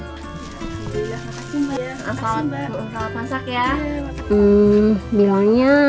terima kasih mbak ya